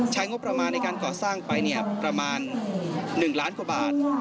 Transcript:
งบประมาณในการก่อสร้างไปประมาณ๑ล้านกว่าบาท